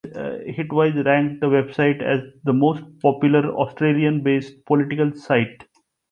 Hitwise ranked the website as the most popular Australian-based political site.